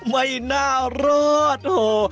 ไม่น่ารอดโอ้โห